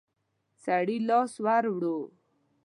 سړي لاس ور ووړ.